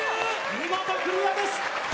見事クリアです。